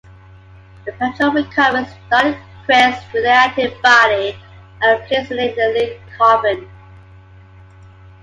The Patrol recovers Dahlquist's radioactive body and places it in a lead coffin.